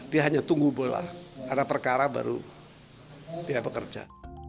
dia hanya tunggu bola karena perkara baru dia bekerja